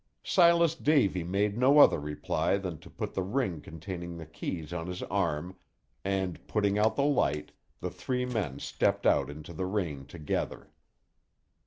Silas Davy made no other reply than to put the ring containing the keys on his arm, and, putting out the light, the three men stepped out into the rain together.